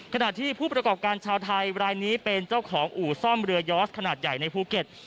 ขณะที่ผู้ประกอบการชาวไทยรายนี้เป็นเจ้าของอู่ซ่อมเรือยอสขนาดใหญ่ในภูเก็ต